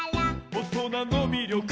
「おとなのみりょく」